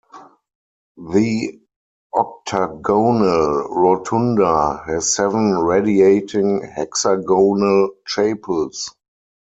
The octagonal rotunda has seven radiating hexagonal chapels.